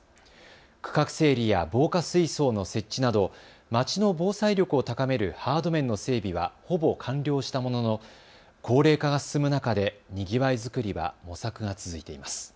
区画整理や防火水槽の設置などまちの防災力を高めるハード面の整備はほぼ完了したものの高齢化が進む中でにぎわいづくりは模索が続いています。